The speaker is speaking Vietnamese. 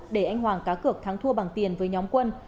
để anh hoàng cá cược thắng thua bằng tiền với nhóm quân